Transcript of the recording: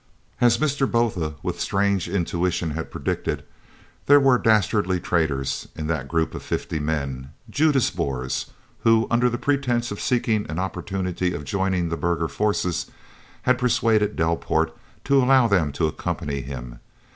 [Illustration: ADOLPH KRAUSE.] As Mr. Botha, with strange intuition, had predicted, there were dastardly traitors in that group of fifty men Judas Boers who, under the pretence of seeking an opportunity of joining the burgher forces, had persuaded Delport to allow them to accompany him.